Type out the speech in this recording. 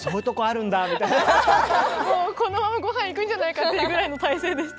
このままご飯行くんじゃないかっていうぐらいの体勢でしたからね。